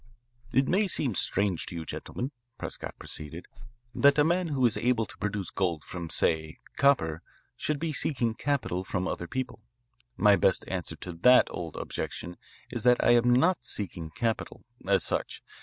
"It may seem strange to you, gentlemen," Prescott proceeded, "that a man who is able to produce gold from, say, copper should be seeking capital from other people. My best answer to that old objection is that I am not seeking capital, as such.